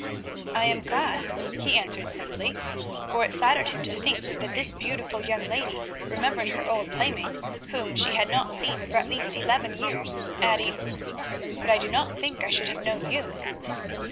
"I am glad," he answered simply, for it flattered him to think that this beautiful young lady remembered her old playmate, whom she had not seen for at least eleven years, adding, "but I do not think I should have known you."